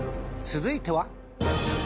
続いては。